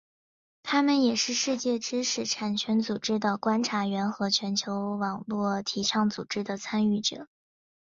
他们也是世界知识产权组织的观察员和全球网络倡议组织的参与者。